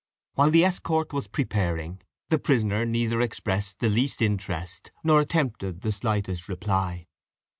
While the escort was preparing, the prisoner neither expressed the least interest nor attempted the slightest reply.